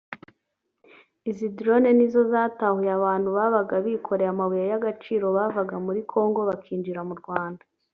Izi drones nizo zatahuye abantu babaga bikoreye amabuye y’agaciro bavaga muri Congo bakinjira mu Rwanda